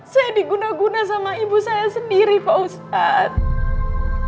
saya diguna guna sama ibu saya sendiri pak ustadz